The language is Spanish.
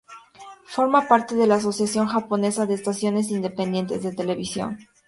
Forma parte de la Asociación Japonesa de Estaciones Independientes de Televisión.